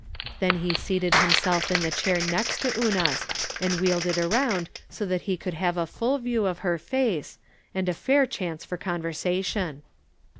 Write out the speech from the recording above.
Then he seated himself in the chair next to Una's, and wheeled it around so that he could have a full view of her face, and a fair chance for conversation.